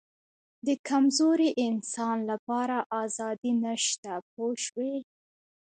د کمزوري انسان لپاره آزادي نشته پوه شوې!.